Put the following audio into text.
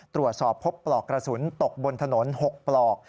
ตรวจสอบพบปลอกกระสุนตกบนถนน๖ปลอก